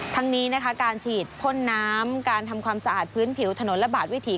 ทั้งนี้นะคะการฉีดพ่นน้ำการทำความสะอาดพื้นผิวถนนระบาดวิถี